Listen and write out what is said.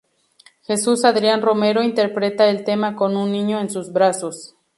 Jesús Adrián Romero interpreta el tema con un niño en sus brazos.